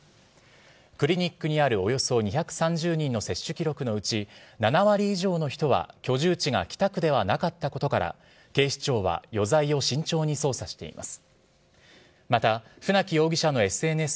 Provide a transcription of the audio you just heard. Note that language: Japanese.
クリニックにあるおよそ２３０人の接種記録のうち７割以上の人は居住地が北区ではなかったことから、警視庁は余罪を慎重に捜査しています。